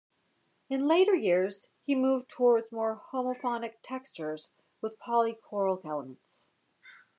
In later years he moved toward more homophonic textures with polychoral elements.